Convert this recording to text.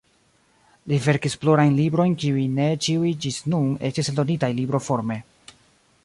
Li verkis plurajn librojn kiuj ne ĉiuj ĝis nun estis eldonitaj libroforme.